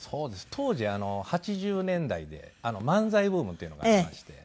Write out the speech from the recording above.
当時８０年代で漫才ブームっていうのがありまして。